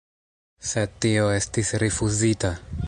Sed tio estis rifuzita.